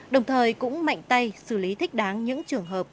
đồng thời cũng mạnh tay xử lý thích đáng những trường hợp